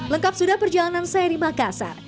lengkap sudah perjalanan saya di makassar